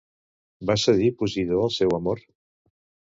Va cedir Posidó al seu amor?